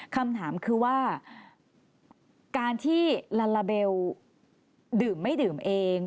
คำถามคือว่าการที่ลาลาเบลดื่มไม่ดื่มเอง